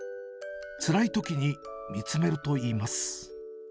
つらいときに、見つめるといいます。